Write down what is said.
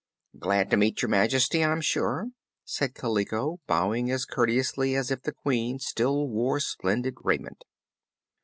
"Glad to meet Your Majesty, I'm sure," said Kaliko, bowing as courteously as if the Queen still wore splendid raiment.